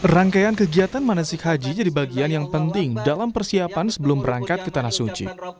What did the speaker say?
rangkaian kegiatan manasik haji jadi bagian yang penting dalam persiapan sebelum berangkat ke tanah suci